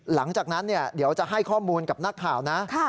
หลังจากนั้นเดี๋ยวจะให้ข้อมูลกับนักข่าวนะ